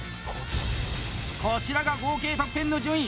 こちらが合計得点の順位！